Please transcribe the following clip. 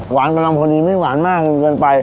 หวานไปลองพอดีไม่หวานมากยกเกินไป